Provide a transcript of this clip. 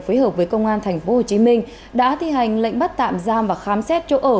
phối hợp với công an tp hcm đã thi hành lệnh bắt tạm giam và khám xét chỗ ở